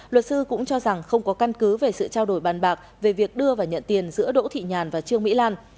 luật sư cũng cho rằng không có căn cứ về sự trao đổi bàn bạc về việc đưa và nhận tiền giữa đỗ thị nhàn và trương mỹ lan